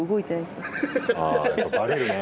ああやっぱバレるね！